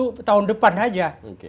jadi untuk itu tahun depan saja